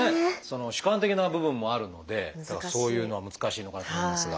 主観的な部分もあるのでそういうのは難しいのかなと思いますが。